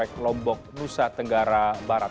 di lombok nusa tenggara barat